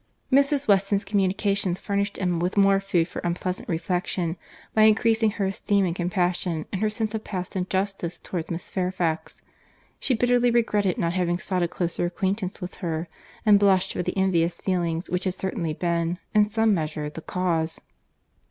Mrs. Weston's communications furnished Emma with more food for unpleasant reflection, by increasing her esteem and compassion, and her sense of past injustice towards Miss Fairfax. She bitterly regretted not having sought a closer acquaintance with her, and blushed for the envious feelings which had certainly been, in some measure, the cause.